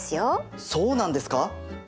そうなんですか！